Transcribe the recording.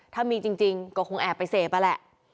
ถ้ามีจริงก็คงแอบไปเสพนั่นแหละ